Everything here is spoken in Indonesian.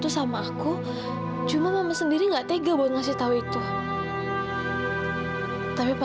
sampai jumpa di video selanjutnya